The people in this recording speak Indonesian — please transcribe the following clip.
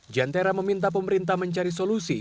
jantera meminta pemerintah mencari solusi